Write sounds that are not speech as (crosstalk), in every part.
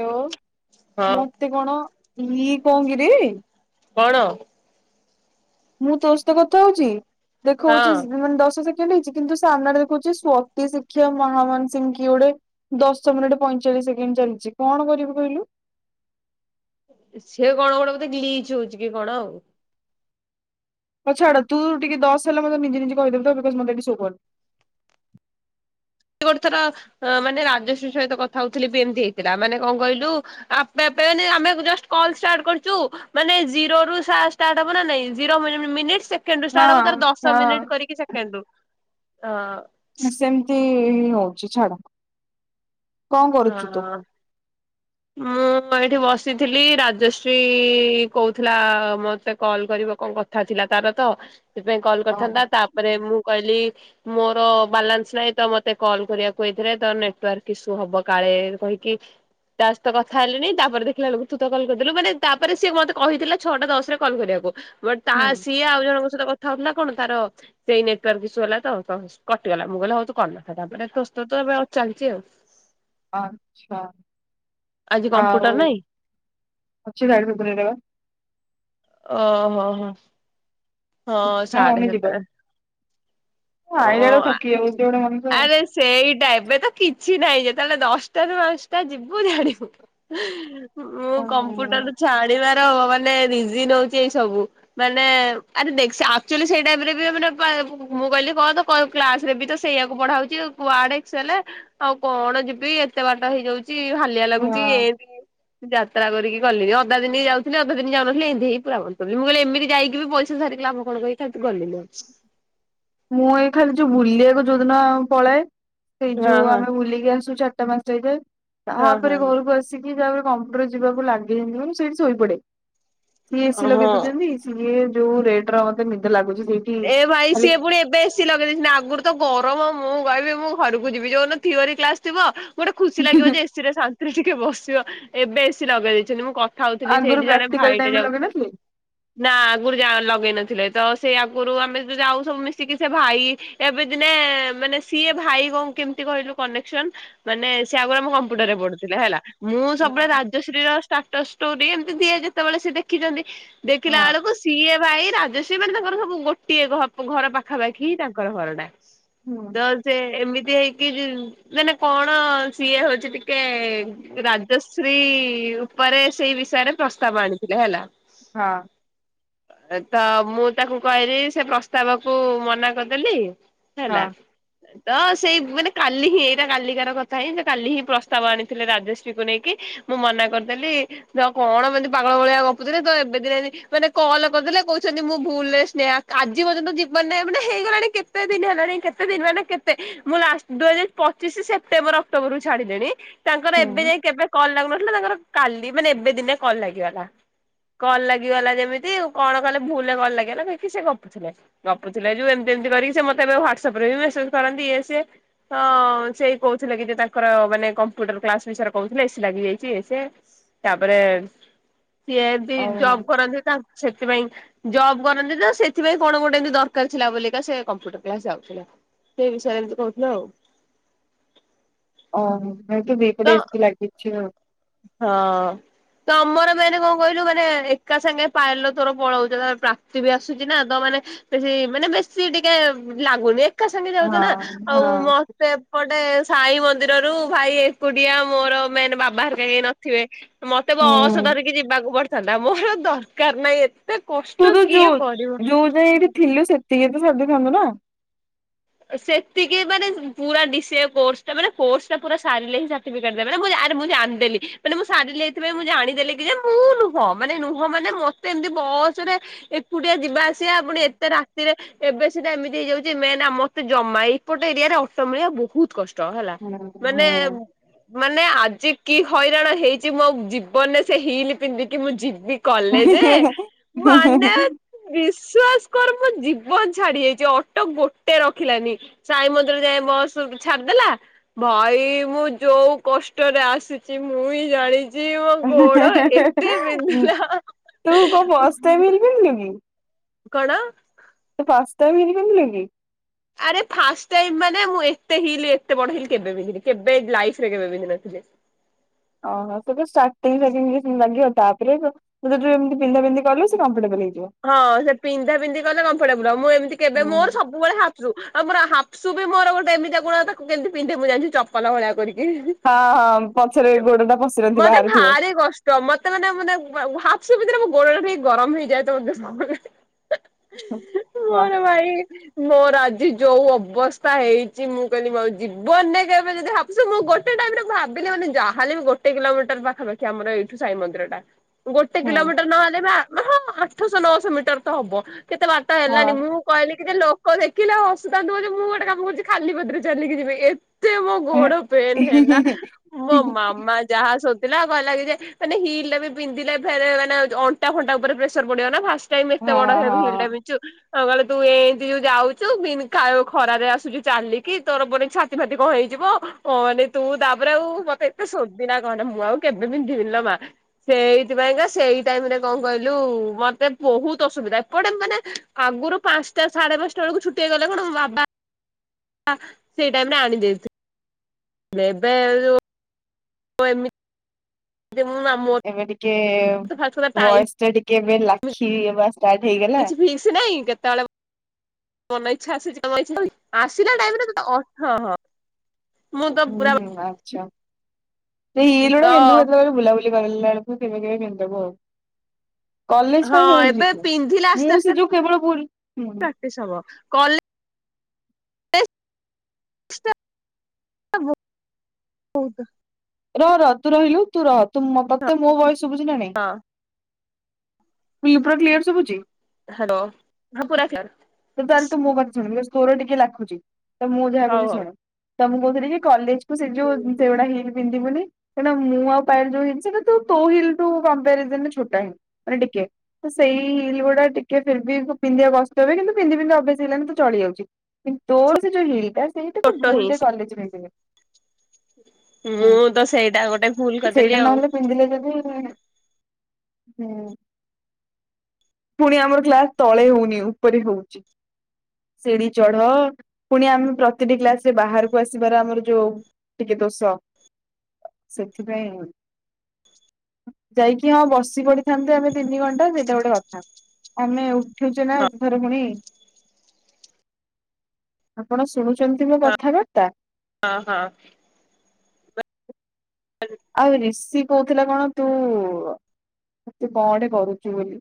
ଲୋ ହଁ ମତେ କଣ ଇଏ କଣ କିରେ? କଅଣ? ମୁଁ ତୋ ସହିତ କଥା ହଉଛି? ଦେଖଉଛି ହଁ ସ ମାନେ ଦଶ ସେକେ କେଣ୍ଡ ହେଇଚି କିନ୍ତୁ ସାମ୍ନାରେ ଦେଖଉଚି ସ୍ଵତୀ ଶିକ୍ଷା ମହା ମାନ୍ସିଂ କିଏ ଗୋଟେ ଦଶ ମିନିଟ ପଇଁଚାଳିଶ୍ ସେକେଣ୍ଡ ଚାଲିଚି। କଣ କରିବି କହିଲୁ? ସେିଏ କଣ ଗୋଟେ ବୋଧେ ଗ୍ଲିଚ୍ ହଉଛି କି କଣ ଆଉ ହଉ ଛାଡ ତୁ ଟିକେ ଦଶ ହେଲେ ମତେ ନିଜେ ନିଜେ କହିଦେଵୁ ତ ଏବେ ବାସ୍ ମୋତେ ଏଠି ସୋ କରୁନି ଗୋଟେ ଥର ମାନେ ରାଜଶ୍ରୀ ସହିତ କଥା ହଉଥିଲି ବି ଏମତି ହେଇଥିଲା, ମାନେ କଣ କହିଲୁ ଆପେ ଅପେ ମାନେ ଆମେ ଜଷ୍ଟ କଲ ଷ୍ଟାର୍ଟ କରିଛୁ ମାନେ ଜିରୋରୁ ସା ଷ୍ଟାର୍ଟ ହବ ନାଁ ନାଁଇ zero mini minute Sheikh second ରୁ ଷ୍ଟାର୍ଟ ହବ ହଁ ତାର ଦଶ ମିନିଟ୍ ହଁ। କରିକି ସେକଣ୍ଡ ରୁ ଅ ସେମତି୍ ଏଁ ହଉଛି ଛାଡ କଣ କରୁଛୁ ତୁ? ହ ମୁଁ ଏଇଠି ବସି ଥିଲି ରାଜଶ୍ରୀ କହୁଥିଲା ମତେ କଲ କରିବ କଣ କଥା ଥିଲା ତାର ତ ସେଥିପାଇଁ କଲ୍ ଓହୋ କରିଥାନ୍ତା ତାପରେ ମୁଁ କହିଲି ମୋର ବାଲାନ୍ସ ନାଇଁ ତ ମତେ କଲ୍ କରିବାକୁ ହେଇଥିଲେ ତ ନେଟୱାର୍କ ଇସୁ ହବ। କାଳେ କହିକି ତା ସ କଥା ହେଲିଣିି ତାପରେ ଦେଖିଲା ବେକୁ ଛୁତ କଲ କରିଦେଲୁ ମାନେ ତାପରେ ସିଏ ମତେ କହିଥିଲା ଛଅଟା ଦଶ ରେ କଲ୍ କରିବାକୁ ବଟ ତାହା ସିଏ ଆଉ ଜଣ କଥା ହତା କଣ ତାର ସେଇ ନେଟାର୍କ କିସୁ ହେଲା ତ କଟିଗଲା ମୁଁ କହିଲ ହଉ କରିନଥା ତାପରେ ଏ ଚାଲିଛି ଆଉ। ଆଛା ଆଜି ଆଉ କମ୍ପ୍ୟୁଟର ନାଇଁ ଅଛି ଗା ଓମ ହଁ ହଁ ହଁ ସାରେ ଆମେ ଯିବା ତ ଓ ଆଇଲା ବେଳକୁ ଥକି ଯାଉଛି ଗୋଟେ ମଣିଷ ଆରେ ସେଇଟାଇପରେ ତ କିଛି ନାହିଁ ଯେ ତାହେଲେ ଦଶଟାାରୁ ପାଞ୍ଚଟା ଯିବୁ ଛାଡିବୁ ମୁଁ ଆଉ। କମ୍ପ୍ୟୁଟରୁ ଛାଣିବାର ତ ମାନେ ନିଜ ନଉଛି ଏଇ ସବୁ ମାନେ ଆଚୁ ସେଇ ଟାଇରୋନେ ମୁଁ କହିଲି। କହ ତ କ୍ଲାସ ରେ ବି ତ ସେଇଆକୁ ପଢା ହଉଛି କୁଆଡେ ଏସ ଆଉ କଣ ଯିବି ଏତେ ବାଟ ହେଇଯାଉଛି। ଭାଲିଆ ଲାଗୁଚ ହଁ। ଏ ଯାତ୍ରା କରିକି ଗଲିଣିି ଅଧା ଦିନ ଯାଉଥିଲି ଅଧା ଦିନ ଯାଉନଥିଲଥିଲେ ଏମିତି ହେି ପୁରା ମନ କରଲି ମୁଁ କିଲି ଏମିତି ଯାଇକି ବି ପଇସା ସାରିକିା ଆ କଣ କି ତା ଗଲିି ଆଉ। ମୁଁ ଏଇ ଖାଲି ଯୋଉ ଭୁଲି ଏକ ଯୋଉଦିନ ପଳଏ ସେଇ ହଁ ଯୋଉ ହଁ ଆମେ ବୁଲିିକି ଆସୁ ଚଟ ମାସ ସେକା ହଁ ତାପରେ ହଁ ଘରକୁ ଆସିକି ିାବରେ କମ୍ପ୍ୟୁଟର ଯିବାକୁ ଲାଗି ସେଇଠି ଶୋଇପଡେ ସିଏ ଏ ସି ଲଗେଇ ହଁ। ଦଉଛନ୍ତି ସିଏ ଯୋଉ ରେଟ ର ମତେ ନିଦ ଲାଗୁଛି। ସେଇଠି ଏ ଭାଇ ଖାଲି ସିଏ ପୁଣି ଏବେ ଖୁସି ଲଗେଇ ଦେଇେଇ ଆଗରୁ ତ ଗରମ ମୁଁ କହିବି ମୁଁ ଘରକୁ ଯିବି ଯୋଉ ଥିଓରିୀ କ୍ଲାସ ଥିବ ଗୋଟେ ଖୁସି ଲାଗିବ ଯେ ଏସିରେ ରେ ଟିକେ ବସିବ ଏବେ ବେଶି ଲଗେଇ ଦେଇେଇଛନ୍ତି ମୁଁ କ ଖାଉଥିଲି ଆଗରୁ ସେଇଠି ଜଣେ ପ୍ରାକ୍ଟିକାଲ ଟାଇମ ଭାଇଟେ ରେ ଲଗେଇ ଯାଉଥିଲା ନଥିଲେ ନା ଆଗରୁ ଲଗେଇନଥିଲଥିଲେ। ଥିଲେ ତ ସେ ଆମେ ଯଦି ଆଉ ସବୁ ମିଶିକି ସେ ଭାଇ ଏବେ ଦିନେ ମାନେ ସିଏ ଭାଇ କଣ କେମିତି କହିଲୁ କନେକ୍ସନ ମାନେ ସେ ଆଗରୁ ଆମ କମ୍ପ୍ୟୁଟର ରେ ପଢୁଥିଲେ ହେଲା। ମୁଁ ହଁ ସବୁବେଳେ ରାଜଶ୍ରୀ ର ସ୍ଟାଟସ ଷ୍ଟୋରି ଏମିତି ଦିଏ ଯେତେବେଳେ ସେ ଦେଖିଛନ୍ତି। ଦେଖିଲା ଆଳକୁ ସିଏ ଭାଇ ରାଜେଶ ମାନ ତାଙ୍କର ସବୁ ଗୋଟିଏ ଘର ପାଖାପାଖି ତାଙ୍କର ଘର ଟା ହୁଁ ତ ସେ ଏମିତି ହେଇ କି ମାନେ କଣ ସିଏ ହଉଛି ଟିକେ ରାଜଶ୍ରୀ ଉପରେ ସେଇ ବିଷୟରେ ପ୍ରସ୍ତାବ ଆଣିଥିଲେ ହେଲା। ହଁ, ତ ମୁଁ ତାକୁ ପରେ ସେ ପ୍ରସ୍ତାବ କୁ ମନା କରିଦେଲି। ହଁ ହେଲା ତ ସେଇ ମାନେ କାଲି ହିଁ ଏଇଟା କାଲିକାର କଥା ହିଁ କାଲି ହିଁ ପ୍ରସ୍ତାବ ଆଣିଥିଲେ ରାଜଶ୍ରୀକୁ ନେଇକି ମୁଁ ମନା କରିଦେଲି କଣ ମାନ ପାଗଳ ଭଳିଆ ଗପୁଥିଲେ ତ ଏବେ ଦିନ ମାନେ କଲ କରିଦେଲେ କହୁଛନ୍ତି ମୁଁ ଭୁଲରେ ଆଜି ପର୍ଯ୍ୟନ୍ତ ଯିବାର ନାହିଁ ମାନେ ହେଇଗଲାଣି କେତେ ଦିନ ହେଲାଣି କେତେ ଦିନ ହେ କେତେ ମୁଁ ଲାଷ୍ଟ ଦୁଇ ହଜାର ପଚିଶ ସେପ୍ଟେମ୍ବର ଅକ୍ଟୋବର ରୁ ଛାଡିଲେଣି ତାଙ୍କର ଏବେ ହୁଁ ଯାଇ କେବେ କଲ୍ ଲାଗୁନଥିଲା ତାଙ୍କର କାଲି ମାନେ ଏବେ ଦିନେ କଲ୍ ଲାଗିଗଲା କଲ୍ ଲାଗିଗଲା ଯେମିତି କଣ କଲେ ଭୁଲରେ କଲ୍ ଲାଗିଗଲା କି ସେ ଗପୁଥିଲେ ଗପୁଥିଲେ ଯଉ ଏମତି ଏମତି କରିକି ସେ ମତେ ଏବେ ହ୍ଵାଟସପ ରେ ବି ମେସେଜ କରନ୍ତି ସେ ସେ କହୁଥିଲେ କି ତାଙ୍କର ମାନେ କମ୍ପ୍ୟୁଟର କ୍ଲାସ ବିଷୟରେ କହୁଥିଲେ ଏ ସେ ଲାଗି ଯାଇଛି ଇଏ ସିଏ ତାପରେ ସିଏ ଯଦି ଓହୋ ଜବ କରନ୍ତି ତା ସେଥିପାଇଁ ଜବ୍ କରନ୍ତି ତ ସେଥିପାଇଁ କଣ ଗୋଟେ ଏମିତି ଦରକାର ଥିଲା ବିକା ସେ କମ୍ପ୍ୟୁଟର କ୍ଲାସ ଯାଉଥିଲା ସେ ବିଷୟରେ ଏମତି କହୁଥିଲା ଆଉ ଓ, ହାଇ ତୁ ବି ଏପଟେ ତ ଏି ଲାଗିଛି ଆଉ। ହଁ ତ ଆମର ମାନେ କଣ କହିଲୁ ମାନେ ଏକା ସାଙ୍ଗେ ପାଇଲ ତୋର ପଳଉଛ ତ ପ୍ରାପ୍ତି ବି ଆସୁଛି ନା ତ ମାନେ ବେଶୀ ମାନେ ବେଶୀ ଟିକେ ଲାଗୁନି ଏକା ସାଙ୍ଗେ ଯାଉଛ ନା ହଁ ଆଉ ମତେ ପଟେ ସାଇ ମନ୍ଦିରରୁ ଭାଇ ଏକୁଡିଆ ମୋର ମେନ୍ ବାବା କା ନଥିବେ ମତେ ବ ହଁ ହୁଁ ସଧରିକି ଯିବାକୁ ପଡ ସୋ ମୋର ଦରକାର ନାହିଁ ଏ ତୁ ତ ଯୋଉ ଯୋଉ ଯାଇଏ ଏଇଠି ଥିଲୁ ସେତିକି ତ ସୋଦିଥାନ୍ତୁ ନା ସେତିକି ମାନେ ପୁର ଟା ମାନେ କୋ ଟା ପୁର ସାରକିେଟାନେ ମୁଁ ଜାଣିଦେଲି ମାନେ ମୁଁ ସାରାଇଁ ମୁଁ ଜାଣିଦେଲି କି ଯେ ମୁଁ ନୁହଁ ମାନେ ନୁହଁ ମାନେ ମତେ ଏମିତି ବସ ରେ ଏକୁଟିଆ ଯିବା ଆସିବା ପଣି ଏତେ ରାତିରେ ଏବେ ସେଟା ଏମିତି ହେଇଯାଉଛି ମେନ ଆମ େ ଜମା ଏପଟ ଏରିଆରେ ଅର୍ଟ ମିଳିବା ବହୁତ କଷ୍ଟ କଷ୍ଟ ହେଲା ହୁଁ ମାନେ ହୁଁ। ମାନେ ଆଜି କି ହଇରାଣ ହେଇଛି ମୋ ଜୀବନରେ ସେ ହିଲ ପିନ୍ଧିକି ମୁଁ ଯିବି ତୁ କଲେଜ ମାନେ ବିଶ୍ଵାସ କର ଜୀବନ ଛାଡି ଯାଇଛି ଅଟୋ ଗୋଟେ ରଖ ଦେଖିଲାନି ସାଇ ମନ୍ଦିର ଯାଇଏ ବସ ଛାଡିଦେଲା ଭାଇ ମୁଁ ଯୋଉ କଷ୍ଟରେ ଆସୁଛି ମୁଁ ବି ଜାଣି ତୁ କ ବସ୍ାରେ ମିରିବନ ନି କଣ? ତ ପାସ୍ତା ବି ନ ମଙ୍ଗିଲି ଆରେ ଫ ମାନେ ମୁଁ ଏତେ ହ ଏତେ ବ କେବେ ପନ୍ଧି କେବେ ଲାଇରେ କେବେନ୍ଧ ନଥିଲେ। ଓହୋ ା ଲାଗିବ ତାପରେ ତ ଯି ପିନ୍ଧା ପିଧିିବୁ ସେ କଫର୍ଟେବଲ ହେଇିବ ହଁ ସେ ପିନ୍ଧା ପିନ୍ଧି କଲେ କମ୍ଫର୍ଟେବୁଲ ମୁଁ ଏମିତି କେବେ ହୁଁ ମୋର ସବୁବେଳେ ହାୁ ଆ ମ ସୁୁବେ ମୋର ଗୋଟେ ଏମିତି କଣ ତାକୁ କେିତି ପିନ୍ଧ ମୁଁାଣିଛି ଚପଲ ଭଳିଆିକି ହଁ ହଁ ପଛରେ ଗୋଡ ଟା ପଶିନଥିବ ମତେ ବାହାରେ ଥିବ। ଭାରି କଷ୍ଟ ମତେ ମାନେ ମାନେ ହସ ଭିତରେ ପରେ ବି ଗରମ ହେଇଯାଏ। ହ। ୱା ହୋର ଭାଇ ମୋର ଆଜି ଯୋଉ ଅବସ୍ଥା ହେଇଛି ମୁଁ କହିଲି ଆଉ ଯିବନେ କହିବ ଯଦି ଭାବୁ ମୁଁ ଗୋଟେ ଟାଇରେ ଭାବିଲି ମାନେ ଯାହାେଲେ ବି ଗୋଟେ କିଲୋମିଟର ପାଖାପାଖି ଆମର ଏଇଠୁ ସାଇ ମନ୍ଦିର ଟା ଗୋଟେ ହୁଁ କିଲୋମିଟର ନବା ଦେବା। ଆଠଶହ ନଅଶହ ମିଟର ତ ହବ । କେତେ ବାତ୍ ହେଲାନି ହଁ। ମୁଁ କହିଲି କି ଲୋକ କ ଦେଖିଲେ ଆଉ ହସୁଥାନ୍ତୁ ଯେ ମୁଁ ଗୋଟେ କାମ କରୁଛି ଖାଲି ପତରେ ଚାଲିକି ଯିବି। ଏତେ ମୋ ଗୋଡ ପେନ୍ ହେଲା ମୋ ମାମା ଯାହା ସ ଉ ଗ ଲାଗି ଯେ ମାନେ ହିଲ ବି ପିନ୍ଧିଲେ ଫ ମାନେ ଅଣ୍ଟା ଫଣ୍ଟା ଉପରେ ପଡ଼ିବ ନା। ଟାଇ ଏତେ ହଁ ବଡ ହେବ ହଁ ଖଟାୁ କଁ କହିଲେ ତୁ ଏମତି ଯୋଉ ଯାଉଛୁ ଖରାରେ ଆସୁଛୁ ଚାଲିକି ତୋର ପରେ ଛାତି ଫାତି କଣ ହେଇଯିବ କ ମାନେ ତୁ ତାପରେ ଆଉ ମତେ ଏତେ ସୋଦିନା କଣ ମୁଁ ଆଉ କେବେ ପିନ୍ଧିବିନି ନା ମା ସେଇଥିପାଇଁକା ସେଇ ଟାଇରେ କଣ କହିଲୁ ମତେ ବହୁତ ଅସୁବିଧା ଏ କଆଟେ ମାନେ ଆଗରୁ ପାଞ୍ଚଟା ସାଢେ ପାଞ୍ଚଟା ବେଳକୁ ଛୁଟି ହେଇଗଲେ କଟେ ବା ସେଇ ଟାଇମ ରେ ଆଣିଦେଇଥିଲୁ। ବବେ ହ ଏମି ଏବେ ଟିକେ ତ ଫାଷ୍ଟ କଥା ଟାଇମ ବଏସ ଟା ଟିକେ ଏବେ ଲାଖି ବା କିଛି ଫିସ୍ ନହିଁ କେତେବେଳେ ଇଛାଛି ଆସିଲା ଟାଇ ରେ ହ ହଁ। ମୁଁ ତ ହୁଁ ପୁରା ହୁଁ ଆଚ୍ଛା। ସେ ହଲୋଟ ତ ବେନ୍ଦୁ ଏତବେ ବୁଲ କୁ ିବ କେ କେନ୍ତବ କଲେଜ ହଁ ଏବେ ପାଇଁଛି ପିନ୍ଧିଲେ ଆସ୍ତେ ମୁଁ ଆସ୍ତେ ସେ ଯୋଉ କେବଳ ପୁୀ ପ୍ରାକ୍ଟିସ ହବ କଲେଜ (unintelligible) ରହ ରହ ତୁ ରହିଲୁ ତୁ ର ତୁ ମତେ ମୋ ବୟସ ଶୁଭୁଝ ନା ନହିଁ। ହଁ ଫୁଲ୍ ପୁରା କ୍ଲିୟର ଶୁଭୁଛି । ହ୍ୟାଲୋ। ହଁ ପୁରା କ୍ଳିଅର ସ୍ଵର ଟିକେ ଲାଖୁଛି ତ ମୁଁ ଯାହା କହିବି ହଉ। ଶୁଣ ତ ମୁଁ କହୁଥିଲି ଯେ କଲେଜ ତୁ ସେ ଯଉ (unintelligible) ପନ୍ଧୁି କହିଁନା ମୁଁ ଆଉ ପାଇ ଯୋଉୁ ତୋ ହୁନରେ ଛୋଟା ହ ମାନେ ଟିକେ ତ ସେଇ ହିଲ ଗୁଡା ଟିକେ ଫ ପିନ୍ଧିବା କଷ୍ଟ ହ କିନ୍ତୁ ପିନ୍ଧି ପନ୍ଧି ହେଇାନ ତ ଚଳି ଯାଉଛି କିନ୍ତୁ ତୋର ସେ ଯୋଉ ହିଲ ଟା (unintelligible) ସେଇଟା ତ ଭୁଲ ଛୋଟ ଫୁଲ ହିଁ ଡେ କଲେଜରେେ (inaudible) ମୁଁ ତ ସେଇଟା ଗୋଟେ ଭୁଲ କରିଦେଲି ଆଉ ହୁଁ ପୁଣି ଆମର କ୍ଲାସ ତଳେ ହଉନି ଉପରେ ହଉଛି ଶିଡି ଚଢ ପୁଣି ଆମେ ପ୍ରତିଟି କ୍ଲାସରେ ବାହାରକୁ ଆସିବାର ଆମର ଯୋଉ ଟିକେ ଦୋଷ ସେଥିପାଇଁ ଯାଇକି ହଁ ବସି ପଡିିଥାନ୍ତେ ଆମେ ତିନି ଘଣ୍ଟା ସେଇଟା ଗୋଟେ କଥା ଆମେ ଉଠୁଛେ ନା ଏଥର ପୁଣି ଆପଣ ଶୁଣୁଛନ୍ତି ମୋ କଥାବାର୍ତ୍ତା ହଁ ହଁ ଆଉ ରିଷି କହୁଥିଲା କଣ ତୁ, ତୁ କଣଟେ କରୁଛୁ ବୋଲି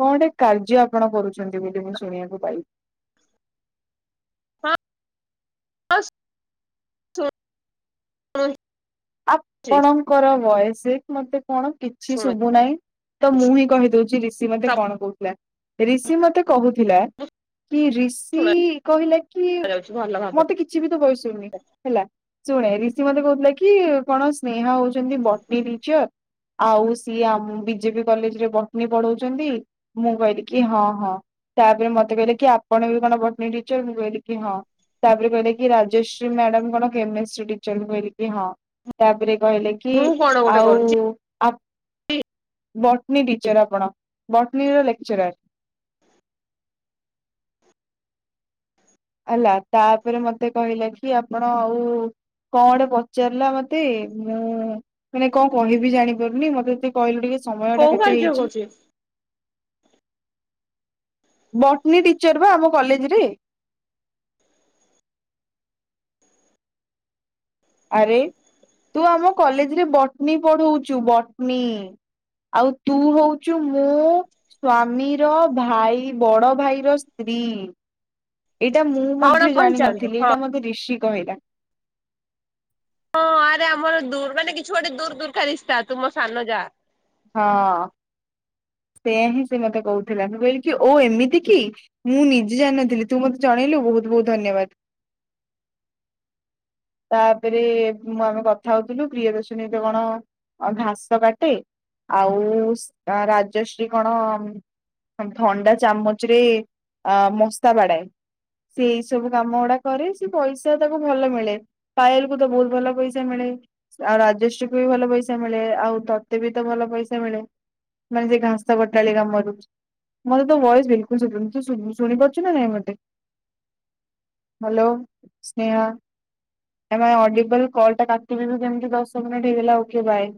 କଣଟେ କାର୍ଯ୍ୟ ଆପଣ କରୁଛନ୍ତି ବୋଲି ମୁଁ ଶୁଣିବାକୁ ପାଇଲି। (unintelligible) ଆପଣଙ୍କର ବୟସିକ ମତେ କଣ--? କିଛି ଶୁଣୁଛି ଶୁଭୁ ନାହିଁ। ତ ମୁଁ ହିଁ କହିଦଉଛି ରିଷି ମତେ ସବୁ କଣ କହୁଥିଲା, ରିଷି ମତେ କହୁଥିଲା କି ରିଷି ଶୁଣା କହିଲା କି? ଯାଉଛି ଭଲ ଭାବରେ ମତେ କିଛି ବି ତୋ ଭଏସ ଶୁଭୁନି ହେଲା ଶୁଣ -ରିଷି ମତେ କହୁଥିଲା କି---? କି କଣ ସ୍ନେହା ହଉଛନ୍ତି ବଟନୀ ଟିଚର ଆଉ ସିଏମ ବିଜେପି କଲେଜରେ ବଟନୀ ପଢଉଛନ୍ତି ମୁଁ କହିଲି କି ହଁ ହଁ ତାପରେ ମତେ କହିଲେ କି ଆପଣ ବି କଣ ବଟନୀ ଟିଚର, ମୁଁ କହିଲି କି ହଁ, ତାପରେ କହିଲେ କି- ରାଜଶ୍ରୀ ମ୍ୟାଡାମ କଣ କେମିଷ୍ଟି ଟିଚର, ମୁ କହିଲି କି ହଁ- ତାପରେ କହିଲେ କି ମୁଁ କଣ ଗୋଟେ ଆଉ କରୁଛି ବଟନୀ ଟିଚର ଆପଣ---? ବଟନୀର ଲେକ୍ଚରାର ହେଲା ତାପରେ ମତେ କହିଲା କି ଆପଣ ଆଉ କଣ ଗୋଟେ ପଚାରିଲା ମତେ, ମୁଁ ମାନେ କଣ କରିବି ଜାଣିପାରୁନି, ମତେତୁ କହିଲୁ ଟିକେ ସମୟ ଟା କୋଉ କେତେ କାଯ୍ୟ ହେଇଛି କରୁଛି? ବଟନୀ ଟିଚର ବା ଆମ କଲେଜରେ ଆରେ ତୁ ଆମ କଲେଜରେ ବଟନୀ ପଢଉଛୁ, ବଟନୀ ଆଉ ତୁ ହଉଛୁ ମୋ ସ୍ଵାମୀର ଭାଇ ବଡ ଭାଇର ସ୍ତ୍ରୀ ଏଇଟା ମୁଁ ହଣ ମଧ୍ୟ କହିଚାଲନ୍ତୁ ଜାଣିନଥିଲି, ହଁ ଏଇଟା ମତେ ଋଷି କହିଲା ହଁ ଆରେ ଆମର ମାନେ କିଛି ଗୋଟେ ଦୂର ଦୁର୍କା ରିଶତା ତୁମୋ ସାନ ଯାଆ ହଁ ସେୟା ହିଁ ସେ ମତେ କହୁଥିଲା, ମୁ କହିଲି କି ଓ ଏମିତି କି, ମୁଁ ନିଜେ ଜାଣିନଥିଲି, ତୁ ମତେ ଜଣେଇଲୁ ବହୁତ ବହୁତ ଧନ୍ୟବାଦ । ତାପରେ ମୁଁ ଆମେ କଥା ହଉଥିଲୁ ପ୍ରିୟଦର୍ଶନୀରେ କଣ ଘାସ କାଟେ, ଆଉ ରାଜଶ୍ରୀ କଣ ଥଣ୍ଡା ଚାମଚରେ ମଶା ବାଡାଏ, ସେଇ ସବୁ କାମ ଗୁଡା କରେ, ସେ ପଇସା ତାକୁ ଭଲ ମିଳେ ପାଏଲ କ ତ ବହୁତ ଭଲ ପଇସା ମିଳେ ଆଉ ରାଜଶ୍ରୀ କ ବି ଭଲ ପଇସା ମିଳେ ଆଉ ତତେ ବି ତ ଭଲ ପଇସା ମିଳେ ମାନେ -ସେ ଘାସ କଟାଳି କାମରୁ, ମତେ ତୋ ଭଏସ ବିଲକୁଲ ଶୁୁଭୁନି, ତୁ ଶୁଣି ପାରୁଛୁ ନା ନାଇଁ ମତେ, ହାଲୋ ସ୍ନେହା ଅଡିିବଲ କଲ ଟା କାଟିବ ଯେମତି ଦଶ ମିନିଟ ହେଇଗଲା । Okay bye.